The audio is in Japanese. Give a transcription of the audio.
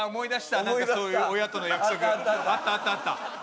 何かそういう親との約束あったあったあった。